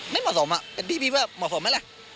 ไม่เหมาะสมเป็นพี่ว่าเหมาะสมไหมล่ะ